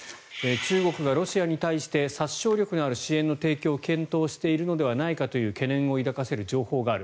中国がロシアに対して殺傷力のある支援の提供を検討しているのではないかという懸念を抱かせる情報がある。